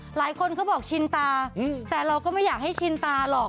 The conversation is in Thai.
หลายคนเขาบอกชินตาแต่เราก็ไม่อยากให้ชินตาหรอก